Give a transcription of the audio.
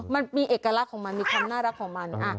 มันมีเอกลักษณ์ของมันมีความน่ารักของมัน